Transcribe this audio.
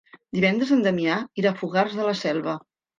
Divendres en Damià irà a Fogars de la Selva.